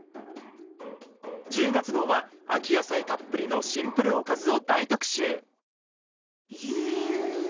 １０月号は秋野菜たっぷりのシンプルおかずを大特集。